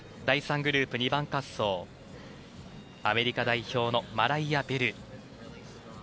第３グループ、２番滑走アメリカ代表のマライア・ベル。